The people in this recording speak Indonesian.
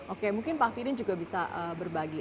oke mungkin pak firin juga bisa berbagi